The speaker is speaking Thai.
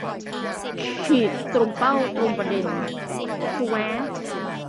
ฉึก ! ตรงเป้า ตรงประเด็น ชะแว้บบบบบ